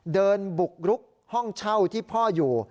เดินบุกรุกห้องเช่าที่พ่ออยู่